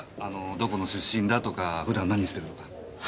どこの出身だとか普段何してるとか。